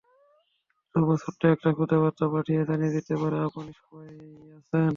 তবু, ছোট্ট একটা খুদে বার্তা পাঠিয়ে জানিয়ে দিতে পারেন, আপনি সভায় আছেন।